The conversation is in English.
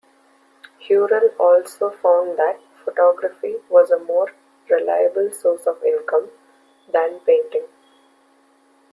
Hurrell also found that photography was a more reliable source of income than painting.